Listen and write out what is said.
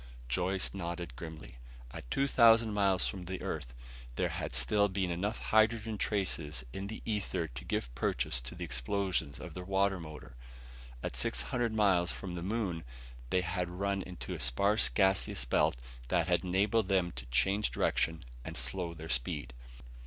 Joyce nodded grimly. At two thousand miles from Earth there had still been enough hydrogen traces in the ether to give purchase to the explosions of their water motor. At six hundred miles from the moon they had run into a sparse gaseous belt that had enabled them to change direction and slow their speed.